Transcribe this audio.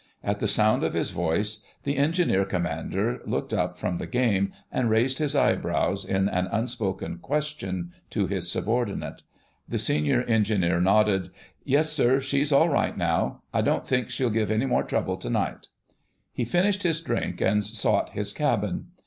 At the sound of his voice the Engineer Commander looked up from the game and raised his eyebrows in an unspoken question to his subordinate. The Senior Engineer nodded. "Yes, sir, she's all right now; I don't think she'll give any more trouble to night." He finished his drink and sought his cabin.